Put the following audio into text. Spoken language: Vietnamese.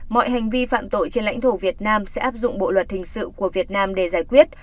mọi hành vi phạm tội trên lãnh thổ việt nam sẽ áp dụng bộ luật hình sự của việt nam để giải quyết